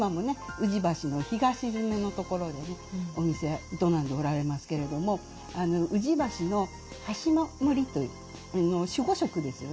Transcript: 宇治橋の東詰の所にねお店営んでおられますけれども宇治橋の橋の守という守護職ですよね